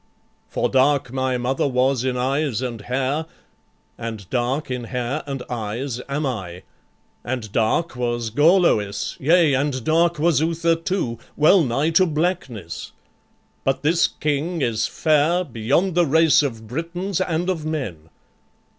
For dark my mother was in eyes and hair, And dark in hair and eyes am I; and dark Was Gorloïs, yea and dark was Uther too, Well nigh to blackness; but this King is fair Beyond the race of Britons and of men.